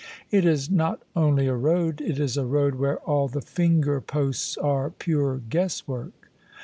It is not only a road; it is a road where all the fingerposts are pure guesswork."